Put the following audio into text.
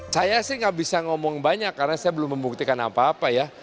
saya sih nggak bisa ngomong banyak karena saya belum membuktikan apa apa ya